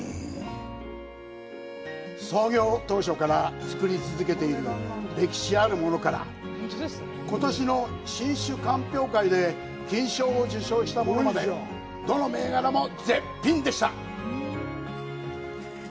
創業当初から造り続けている歴史あるものから、ことしの新酒鑑評会で金賞を受賞したものまで、どの銘柄も絶品でした。